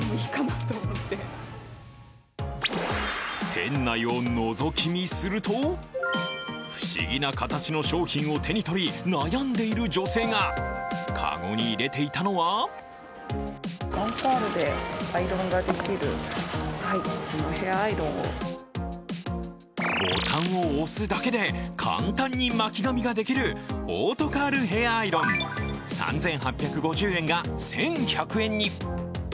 店内をのぞき見すると不思議な形の商品を手に取り悩んでいる女性が籠に入れていたのはボタンを押すだけで簡単に巻き髪ができるオートカールヘアアイロン、３８５０円が１１００円に。